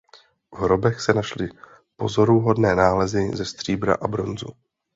V hrobech se našly pozoruhodné nálezy ze stříbra a bronzu.